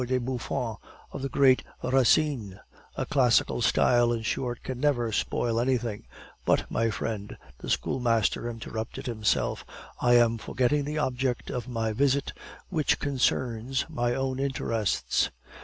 de Buffon, of the great Racine a classical style, in short, can never spoil anything But, my friend," the schoolmaster interrupted himself, "I was forgetting the object of my visit, which concerns my own interests."